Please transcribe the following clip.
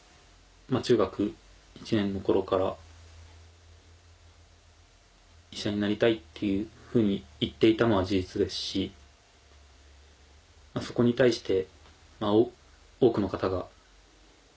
中学１年の頃から「医者になりたい」っていうふうに言っていたのは事実ですしそこに対して。